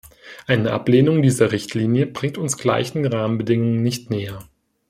Eine Ablehnung dieser Richtlinie bringt uns gleichen Rahmenbedingungen nicht näher.